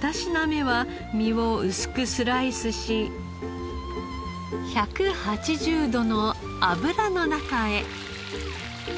２品目は身を薄くスライスし１８０度の油の中へ。